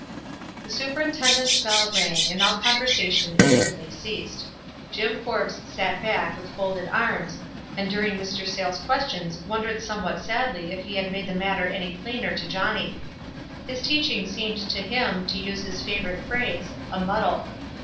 The superintendent's bell rang, and all conver sation instantly ceased. Jim Forbes sat back with folded arms, and during Mr. Sayles' ques tions wondered somewhat sadly if he had made the matter any plainer to Johnny. His teaching seemed to him, to use his favorite phrase, a muddle.